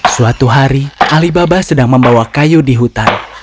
suatu hari alibaba sedang membawa kayu di hutan